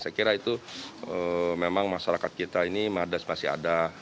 saya kira itu memang masyarakat kita ini madas masih ada